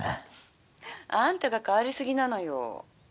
「あんたが変わりすぎなのよ」。